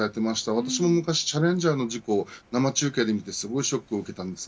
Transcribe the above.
私も昔チャレンジャーの事故を生中継で見てショックを受けました。